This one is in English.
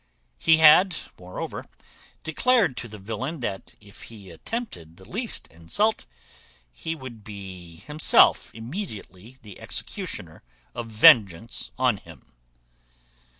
He had moreover declared to the villain, that if he attempted the least insult, he would be himself immediately the executioner of vengeance on him.